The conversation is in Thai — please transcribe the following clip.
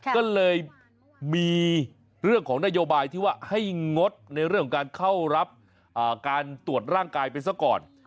ก็เลยมีเรื่องของนโยบายที่ว่าให้งดในเรื่องของการเข้ารับการตรวจร่างกายไปซะก่อน